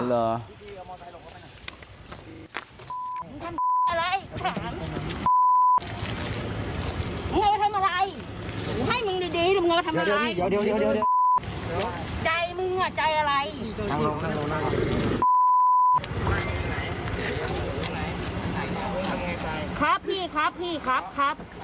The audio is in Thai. ครับพี่ครับพี่ครับครับ